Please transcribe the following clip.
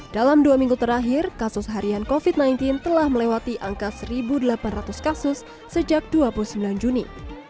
dalam dua minggu terakhir kasus harian covid sembilan belas telah melewati angka satu delapan ratus kasus sejak dua puluh sembilan juni